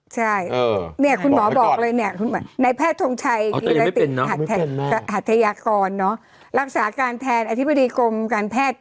ใช่เนี่ยคุณหมอบอกเลยเนี่ยในแพทย์ทงชัยกีรติกหัทยากรรักษาการแทนอธิบดีกรมการแพทย์